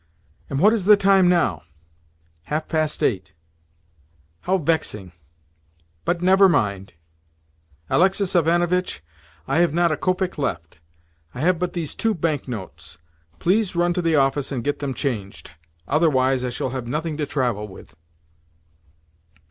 "And what is the time now?" "Half past eight." "How vexing! But, never mind. Alexis Ivanovitch, I have not a kopeck left; I have but these two bank notes. Please run to the office and get them changed. Otherwise I shall have nothing to travel with."